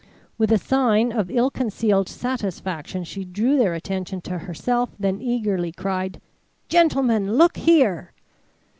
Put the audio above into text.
With a sign of ill concealed satisfaction, she drew their attention to herself; then eagerly cried: "Gentlemen, look here!"